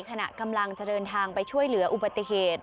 ขณะกำลังจะเดินทางไปช่วยเหลืออุบัติเหตุ